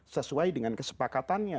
sesuai dengan kesepakatannya